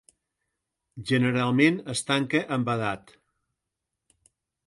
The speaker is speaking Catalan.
Generalment es tanca amb edat.